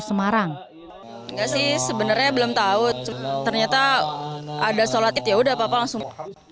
tidak sih sebenarnya belum tahu ternyata ada sholat id yaudah apa apa langsung